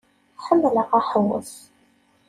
Ḥemmleɣ aḥewwes.